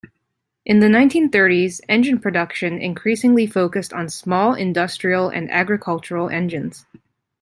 In the nineteen thirties engine production increasingly focused on small industrial and agricultural engines.